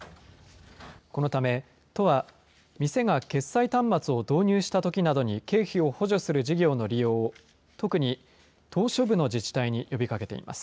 このため、都は、店が決済端末を導入したときなどに経費を補助する事業の利用を、特に島しょ部の自治体に呼びかけています。